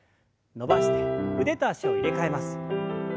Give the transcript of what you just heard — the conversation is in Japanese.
伸ばして腕と脚を入れ替えます。